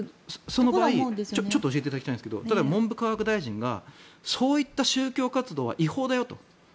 その場合教えていただきたいんですけど文部科学大臣がそういった宗教活動は違法だよと。